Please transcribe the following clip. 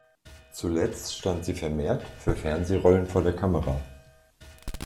Zuletzt stand sie vermehrt für Fernsehrollen vor der Kamera.